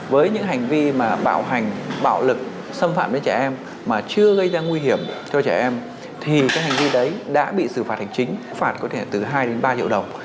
với những hành vi mà bạo hành bạo lực xâm phạm đến trẻ em mà chưa gây ra nguy hiểm cho trẻ em thì cái hành vi đấy đã bị xử phạt hành chính phạt có thể từ hai đến ba triệu đồng